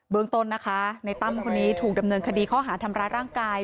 เมืองต้นนะคะในตั้มคนนี้ถูกดำเนินคดีข้อหาทำร้ายร่างกาย